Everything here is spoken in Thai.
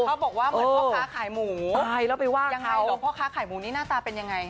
เขาบอกว่าเหมือนพ่อเช้าขายหมูตายแล้วไปว่างเขายังไงเว้นนนี่หน้าตาเป็นยังไง